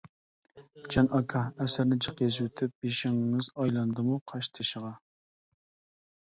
جان ئاكا ئەسەرنى جىق يېزىۋېتىپ، بېشىڭىز ئايلاندىمۇ قاش تېشىغا.